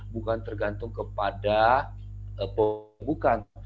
bukan tergantung kepada pembukaan